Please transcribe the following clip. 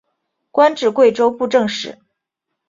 官至贵州布政使。